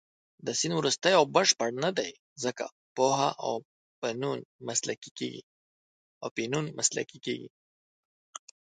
دا سیند وروستۍ او بشپړه نه دی، ځکه پوهه او فنون مسلکي کېږي.